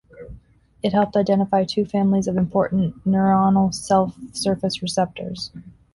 It helped identify two families of important neuronal cell-surface receptors.